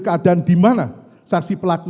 keadaan di mana saksi pelaku